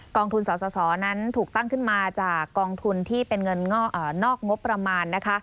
องทุนสสนั้นถูกตั้งขึ้นมาจากกองทุนที่เป็นเงินนอกงบประมาณนะคะ